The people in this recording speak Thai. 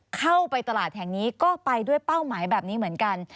เข้าไปตลาดแห่งนี้ก็ไปด้วยเป้าหมายแบบนี้เหมือนกัน